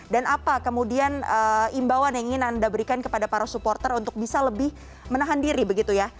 dan apa kemudian imbauan yang ingin anda berikan kepada para supporter untuk bisa lebih menahan diri begitu ya